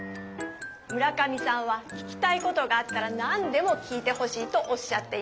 村上さんは聞きたいことがあったら何でも聞いてほしいとおっしゃっていました。